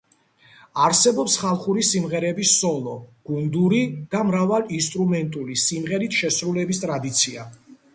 არსებობს ხალხური სიმღერების სოლო, გუნდური და მრავალ ინსტრუმენტული სიმღერით შესრულების ტრადიცია.